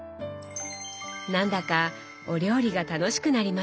なんだかお料理が楽しくなりますね。